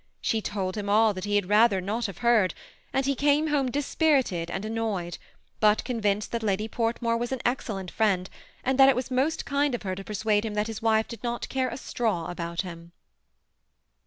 She told him all that he had rather not have heard; and he came home dispirited and annoyed, but convinced that Ladj Portmore was an excellent ^end, and that it was most kind of her to persuade him that his wife did not care a straw about him.